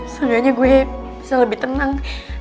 sejujurnya gue bisa lebih tenang